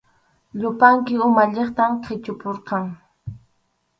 Yupanki umalliqta qichupurqan.